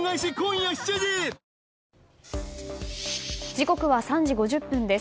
時刻は３時５０分です。